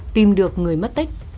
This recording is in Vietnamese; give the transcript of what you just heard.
tìm được người mất tích